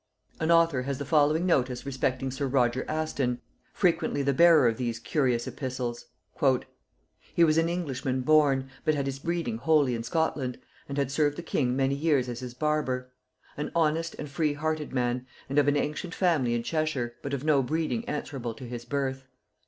An author has the following notice respecting sir Roger Aston, frequently the bearer of these curious epistles. "He was an Englishman born, but had his breeding wholly in Scotland, and had served the king many years as his barber; an honest and free hearted man, and of an ancient family in Cheshire, but of no breeding answerable to his birth.